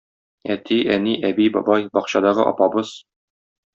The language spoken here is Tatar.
Әти, әни, әби, бабай, бакчадагы апабыз.